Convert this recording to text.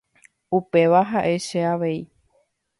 Upéva ha'e che avei.